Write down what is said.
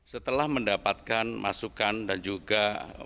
setelah mendapatkan masukan dan juga